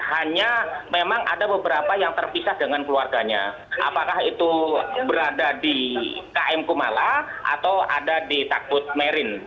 hanya memang ada beberapa yang terpisah dengan keluarganya apakah itu berada di km kumala atau ada di takbut merin